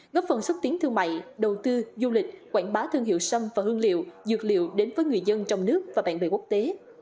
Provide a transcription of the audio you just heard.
góp phần xúc tiến thương mại đầu tư du lịch quảng bá thương hiệu sâm và hương liệu dược liệu đến với người dân trong nước và bạn bè quốc tế